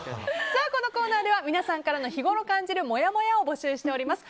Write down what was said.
このコーナーでは皆さんからの日ごろ感じるもやもやを募集します。